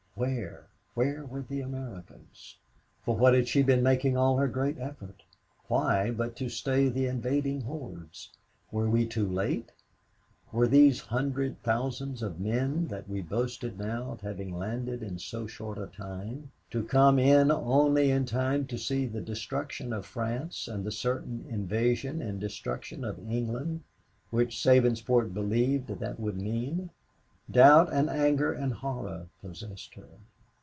Where, where were the Americans? For what had she been making all her great effort? Why, but to stay the invading hordes? Were we too late? Were these hundred thousands of men that we boasted now of having landed in so short a time, to come in only in time to see the destruction of France and the certain invasion and destruction of England, which Sabinsport believed that would mean? Doubt and anger and horror possessed her.